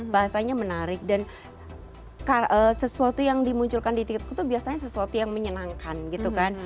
bahasanya menarik dan sesuatu yang dimunculkan di tiktok itu biasanya sesuatu yang menyenangkan gitu kan